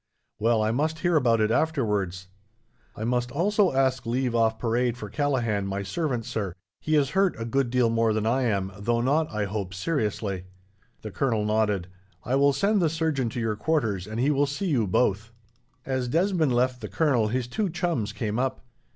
"Well, I must hear about it, afterwards." "I must also ask leave off parade for Callaghan, my servant, sir. He is hurt a good deal more than I am, though not, I hope, seriously." The colonel nodded. "I will send the surgeon to your quarters, and he will see to you both." As Desmond left the colonel, his two chums came up.